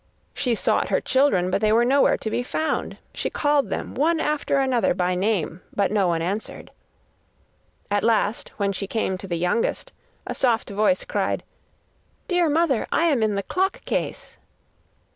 She sought her children, but they were nowhere to be found. She called them one after another by name, but no one answered. At last, when she came to the youngest, a soft voice cried: 'Dear mother, I am in the clock case.